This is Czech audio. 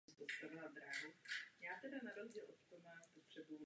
Přínosy pocítí stejnou měrou jak podniky, tak investoři.